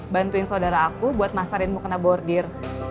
bantuin saudara aku buat masarin mukena bordir